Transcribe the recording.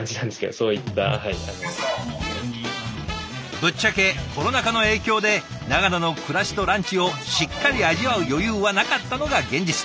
ぶっちゃけコロナ禍の影響で長野の暮らしとランチをしっかり味わう余裕はなかったのが現実。